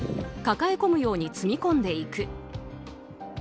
抱え込むように積み込んでいく。